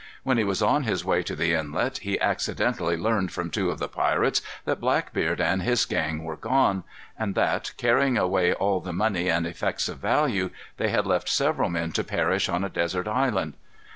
When he was on his way to the inlet he accidentally learned from two of the pirates that Blackbeard and his gang were gone; and that, carrying away all the money and effects of value, they had left several men to perish on a desert island.